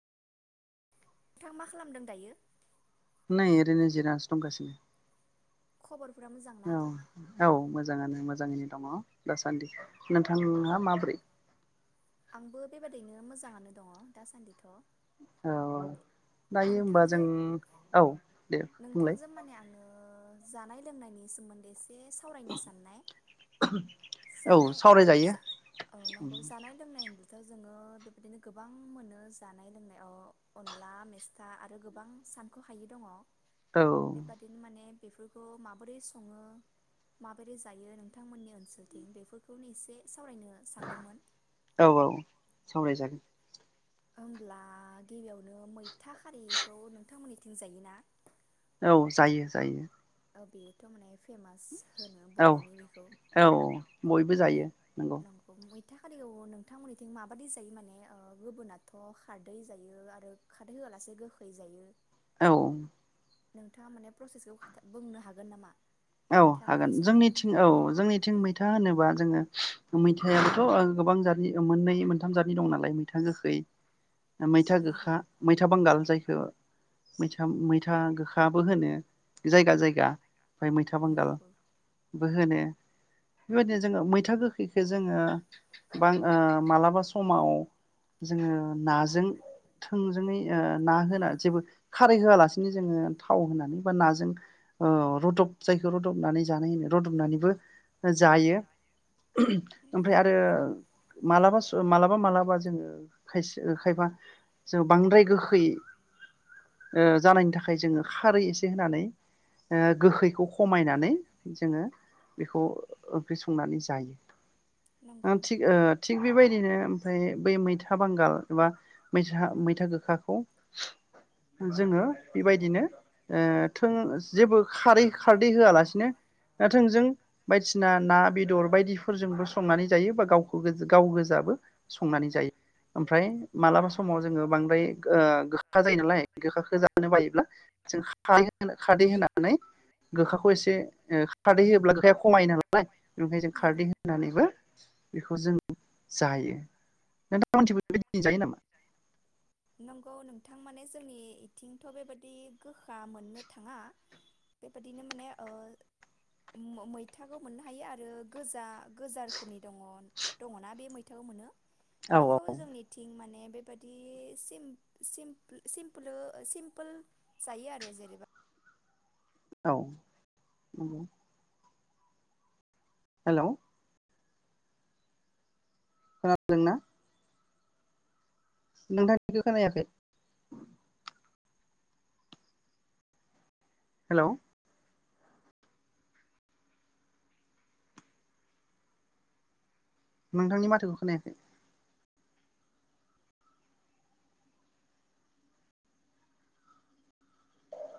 नोंथां मा खालामदों दायो? नै ओरैनो जिरायनासो दंगासिनो। खबर औ औ मोजाङानो मोजां मोजाङैनो दङ दासान्दि नोंथांहा माब्रै? आंबो बेबादिनो मोजाङानो दङ दासान्दिथ' औ दायो होमबा जों नोंथांजों औ दे बुंलाय नोंथांजों माने आङो जानाय लोंनायनि सोमोन्दै जे सावरायनो साननाय औ जानाय सावरायजायो औ नंगौ जानाय संनायावथ जोङो बेबायदिनो गोबां मोनो जानाय लोंनायाव अनला मेस्था आरो गोबां सानख' हायि दङ औ बेबादिनो माने बेफोरखौ माबोरै सङो माबोरै जायो नोंथांमोननि ओनसोलथिं बेफोरखौनो एसे सावरायनो सानदोंमोन औ औ सावरायजागोन होमब्ला गिबियावनो मैथा खारैखौ नोंथांमोननिथिं जायोना? औ जायो जायो औ बेयोथ' माने फेमास होनो औ बर'नि बेखौ औ बयबो मै जायो नंगौ मैथा खारियाव नोंथांमोननिथिं माबादि जायो माने गुबुनाथ' खारदै जायो आरो खारदै होआलासे गोखै जायो औ नोंथाङा माने प्र'सेसखौ बुंनो हागोन नामा? औ मैथा ओंख्रि हागोन संनायनि जोंनिथिं औ जोंनिथिं मैथा होनोबा जोङो मैथायाबोथ' गोबां जादनि मोननै मोनथाम जादनि दं नालाय मैथा गोखै मैथा नंगौ गोखा मैथा बांगाल जायखौ मैथा मैथा गोखाबो होनो जायगा जायगा ओमफ्राय मैथा नंगौ बांगालबो होनो बेबायदिनो जोङो मैथा गोखैखौ जोङो बां मालाबा समाव जोङो नाजों थोंजोङै ओ ना होना जेबो खारै होआलासिनो जोङो थाव होनानै बा नाजों ओ रुदब जायखौ रुदबनानै जानाय होनो रुदबनानैबो जायो ओमफ्राय नंगौ आरो मालाबा मालाबा मालाबा जोङो खायसे खायफा जों बांद्राय गोखै ओ जानायनि थाखाय जोङो खारै एसे होनानै गोखैखौ खमायनानै जोङो बेखौ ओंख्रि संनानै जायो। नंगौ थिग थिग बेबायदिनो ओमफ्राय बै मैथा बांगाल एबा मैथा मैथा गोखाखौ जोङो बेबायदिनो ओ थों जेबो खारै खारदै होआलासिनो ना थोंजों बायदिसिना ना बेदर बायदिफोरजोंबो संनानै जायो बा गावखौ गाव गोजाबो संनानै जायो ओमफ्राय मालाबा समाव जोङो बांद्राय ओ गोखा जायो नालाय गोखाखौ जानो बायोब्ला जों खारै खारदै होनानै गोखाखौ एसे खारदै होयोब्ला गोखाया खमायो नालाय बेनिखायनो जों नंगौ खारदै होनानैबो बेखौ जों जायो नोंथांमोनथिंबो बेबायदिनो जायो नामा नंगौ नोंथां माने जोंनि इथिंथ' बेबायादि गोखा मोननो थाङा बेबादिनो माने मैथाखौ मोननो हायो आरो गोजा गोजा रोखोमनि दङ दङना बे मैथाखौ मोनो औ जोंनिथिं माने बेबादि सिमपोल सिमपोल जायो आरो जेनेबा औ औ हेल' खोनादोंना नोंथांनिखौ खोनायाखै हेलौ नोंथांनि माथोखौ खोनायाखै